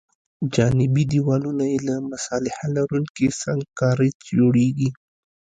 جانبي دیوالونه یې له مصالحه لرونکې سنګ کارۍ جوړیږي